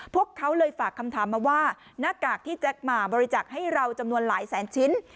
พวกเขาเลยฝากคำถามมาว่าหน้ากากที่แจ็คมาบริจักษ์ให้เราจำนวนหลายแสนชิ้น